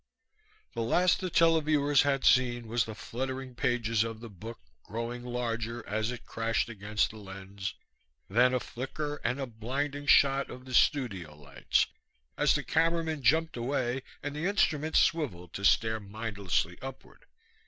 The last the televiewers had seen was the fluttering pages of the Book, growing larger as it crashed against the lens, then a flicker and a blinding shot of the studio lights as the cameraman jumped away and the instrument swiveled to stare mindlessly upward.